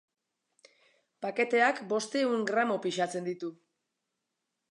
Paketeak bostehun gramo pisatzen ditu.